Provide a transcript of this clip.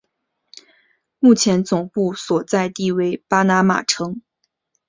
目前总部所在地为巴拿马城。